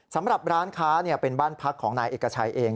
สำหรับร้านค้าเป็นบ้านพักของนายเอกชัยเอง